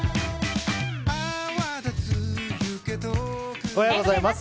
おはようございます。